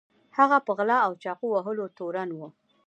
هغه په غلا او چاقو وهلو تورن و.